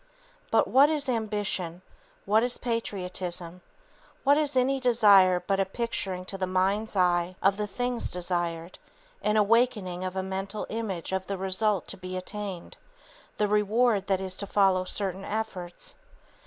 But what is ambition, what is patriotism, what is any desire but a picturing to the mind's eye of the things desired, an awakening of a mental image of the result to be attained, the reward that is to follow certain efforts?